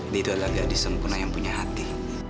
dia itu adalah gadis sempurna yang punya hati